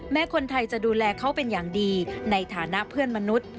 คนไทยจะดูแลเขาเป็นอย่างดีในฐานะเพื่อนมนุษย์